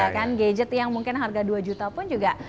gadget yang mungkin harga dua juta pun juga